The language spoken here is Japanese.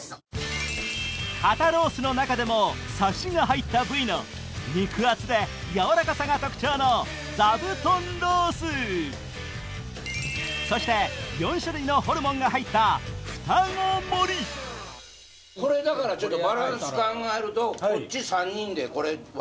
肩ロースの中でもサシが入った部位の肉厚で軟らかさが特徴のそして４種類のホルモンが入ったちょっと。